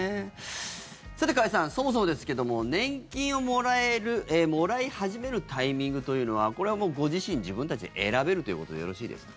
さて、加谷さんそもそもですけども年金をもらえる、もらい始めるタイミングというのはこれはご自身、自分たちで選べるということでよろしいですか？